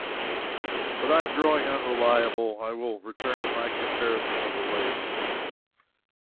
But I am growing unreliable. I will return to my comparison of the lakes.